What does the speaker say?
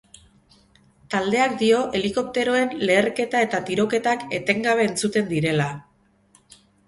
Taldeak dio helikopteroen leherketa eta tiroketak etengabe entzuten direla.